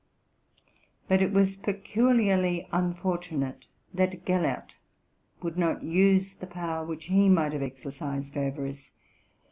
But it was peculiarly unfortunate that Gellert would not use the power which he might have exercised over us.